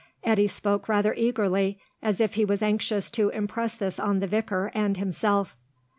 Eddy spoke rather eagerly, as if he was anxious to impress this on the vicar and himself.